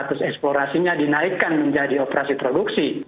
status eksplorasinya dinaikkan menjadi operasi produksi